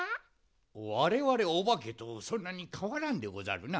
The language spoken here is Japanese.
われわれおばけとそんなにかわらんでござるな。